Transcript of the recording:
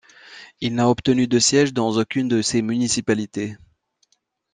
Il n'a obtenu de sièges dans aucune de ces municipalités.